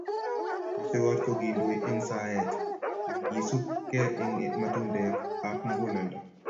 Mestowot kokindoi eng saet nekisub ke eng matundek ab muguleldo